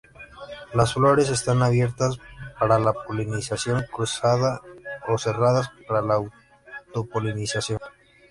Las flores están bien abiertas para la polinización cruzada o cerradas para la auto-polinización.